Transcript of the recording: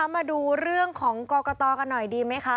มาดูเรื่องของกรกตกันหน่อยดีไหมคะ